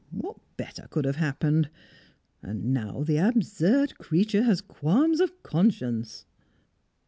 What better could have happened. And now the absurd creature has qualms of conscience!"